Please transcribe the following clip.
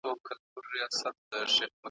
توپان نه وو اسماني توره بلا وه .